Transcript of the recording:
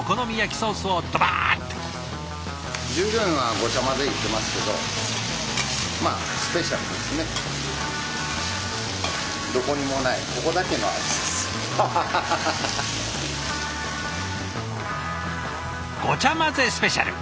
ごちゃまぜスペシャル。